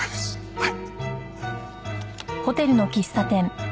はい。